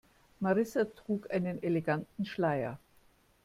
Marissa trug einen eleganten Schleier.